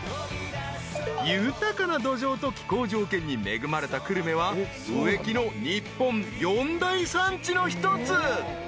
［豊かな土壌と気候条件に恵まれた久留米は植木の日本四大産地の一つ］